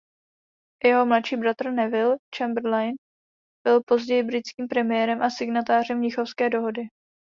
Jeho mladší bratr Neville Chamberlain byl později britským premiérem a signatářem Mnichovské dohody.